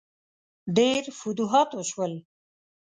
ډیر فتوحات وشول.